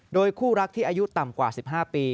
โดยคู่รักที่อายุต่ำกว่า๑๕ปี